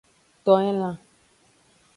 To elan.